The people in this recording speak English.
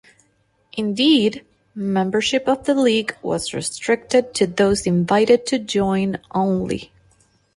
Indeed, membership of the League was restricted to those invited to join only.